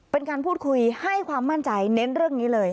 เป็นการพูดคุยให้ความมั่นใจเน้นเรื่องนี้เลย